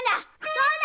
そうだ！